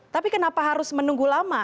tapi kenapa harus menunggu lama